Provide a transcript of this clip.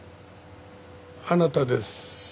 あなたです。